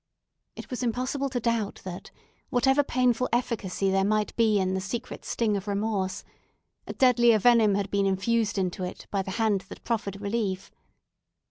It was impossible to doubt that, whatever painful efficacy there might be in the secret sting of remorse, a deadlier venom had been infused into it by the hand that proffered relief.